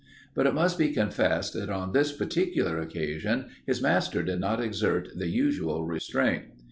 But it must be confessed that on this particular occasion his master did not exert the usual restraint.